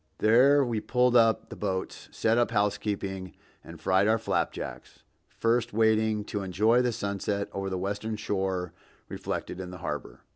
There we pulled up the boats, set up housekeeping and fried our flapjacks, first waiting to enjoy the sunset over the western shore reflected in the harbor.